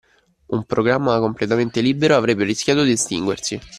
Un programma completamente libero avrebbe rischiato di estinguersi.